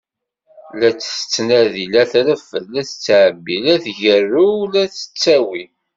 La tettnadi, la treffed, la tettɛebbi, la tgerrew, la tettawi.